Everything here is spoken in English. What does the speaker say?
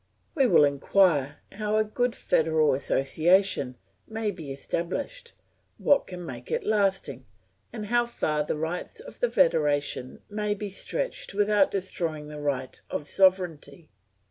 We will inquire how a good federal association may be established, what can make it lasting, and how far the rights of the federation may be stretched without destroying the right of sovereignty.